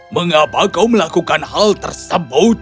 mengapa kau melakukan hal tersebut